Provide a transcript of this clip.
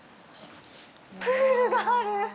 プールがある！